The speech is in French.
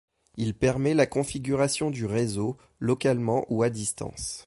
Il permet la configuration du réseau, localement ou à distance.